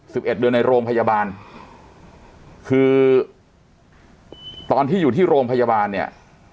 เอ็ดเดือนในโรงพยาบาลคือตอนที่อยู่ที่โรงพยาบาลเนี่ย